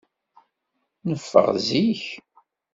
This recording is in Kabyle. Neffeɣ zik.